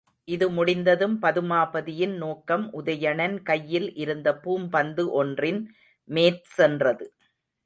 இது முடிந்ததும், பதுமாபதியின் நோக்கம் உதயணன் கையில் இருந்த பூம்பந்து ஒன்றின் மேற்சென்றது.